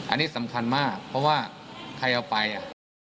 อันนี้สำคัญมากเพราะว่าใครเอาไปอ่ะ